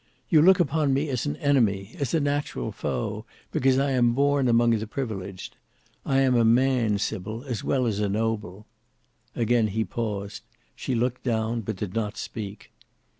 You look upon me as an enemy, as a natural foe, because I am born among the privileged. I am a man, Sybil, as well as a noble." Again he paused; she looked down, but did not speak.